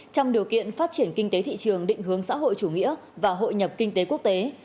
trong điều kiện phát triển kinh tế thị trường định hướng xã hội chủ nghĩa và hội nhập kinh tế quốc tế